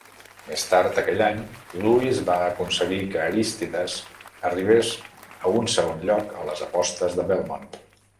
Més tard aquell any, Lewis va aconseguir que Arístides arribés a un segon lloc a les apostes de Belmont.